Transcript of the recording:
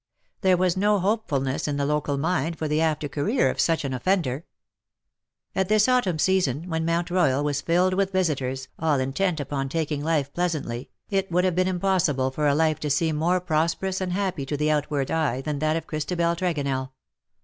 There was no hopefulness in the local mind for the after career of such an offender. At this autumn season, when Mount Royal was filled with visitors, all intent upon taking life pleasantly, it would have been impossible for a life to seem more prosperous and happy to the outward WE DRAW NIGH THEE." 173 eye than that of Christabel Tregouell.